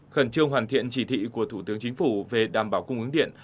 khẩn trương hoàn thiện chỉ thị của thủ tướng chính phủ về đảm bảo cung ứng điện